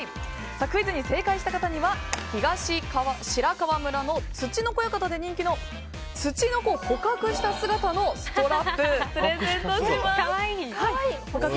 クイズに正解した方には東白川村のつちのこ館で人気のつちのこを捕獲した姿のストラップをプレゼントします。